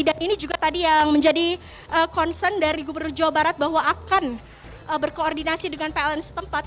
dan ini juga tadi yang menjadi concern dari gubernur jawa barat bahwa akan berkoordinasi dengan pln setempat